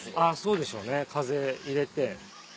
そうでしょうね風入れて。